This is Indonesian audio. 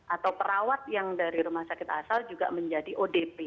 atau perawat yang dari rumah sakit asal juga menjadi odp